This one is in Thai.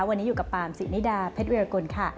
วันนี้อยู่กับปามสินิดาเพชรวิรกุลค่ะ